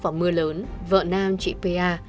và mưa lớn vợ nam chị pia